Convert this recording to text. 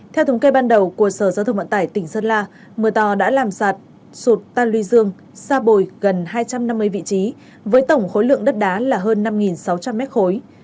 theo thống kê ban đầu của sở giao thông vận tải tỉnh sơn la mưa to đã làm sạt sụt tan luy dương xa bồi gần hai trăm năm mươi vị trí với tổng khối lượng đất đá là hơn năm sáu trăm linh mét khối